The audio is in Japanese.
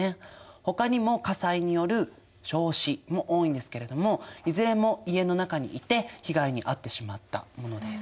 ほかにも火災による焼死も多いんですけれどもいずれも家の中にいて被害に遭ってしまったものです。